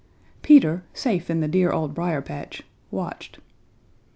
Peter, safe in the dear Old Briar patch, watched.